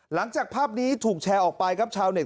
หลังจากภาพนี้ถูกแชร์ออกไปครับชาวเน็